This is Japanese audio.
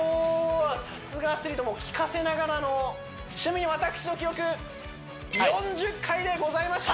さすがアスリートきかせながらのちなみに私の記録４０回でございました